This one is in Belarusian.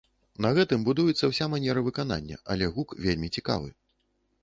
На гэтым будуецца ўся манера выканання, але гук вельмі цікавы.